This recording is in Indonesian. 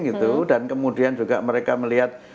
gitu dan kemudian juga mereka melihat